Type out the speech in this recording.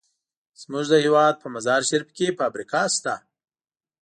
زمونږ د هېواد په مزار شریف کې فابریکه شته.